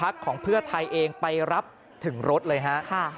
ของเพื่อไทยเองไปรับถึงรถเลยฮะ